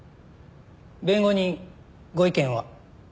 弁護人ご意見は？